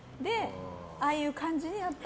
ああいう感じになった。